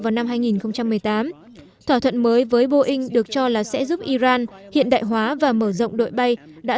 vào năm hai nghìn một mươi tám thỏa thuận mới với boeing được cho là sẽ giúp iran hiện đại hóa và mở rộng đội bay đã